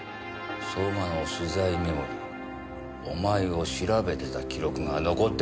相馬の取材メモにお前を調べてた記録が残ってたんだよ。